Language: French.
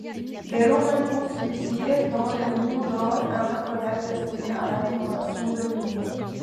Les Romains construisirent dans les monts d'Or un aqueduc destiné à l'alimentation de Lyon.